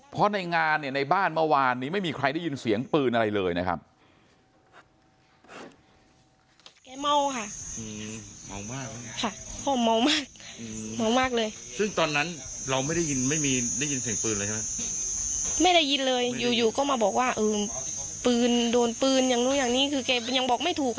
เพราะในงานเนี่ยในบ้านเมื่อวานนี้ไม่มีใครได้ยินเสียงปืนอะไรเลยนะครับ